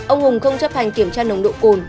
ông hùng không chấp hành kiểm tra nồng độ cồn